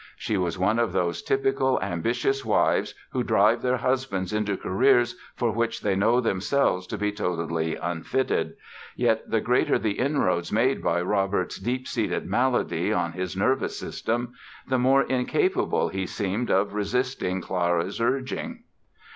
She was one of those typical ambitious wives who drive their husbands into careers for which they know themselves to be totally unfitted. Yet the greater the inroads made by Robert's deep seated malady on his nervous system the more incapable he seemed of resisting Clara's urging.